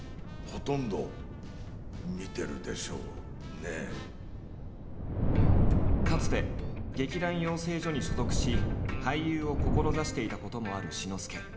こっちは勝手にかつて劇団養成所に所属し俳優を志していたこともある志の輔。